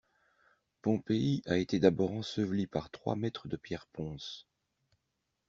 Pompéi a été d'abord ensevelie par trois mètres de pierres ponces.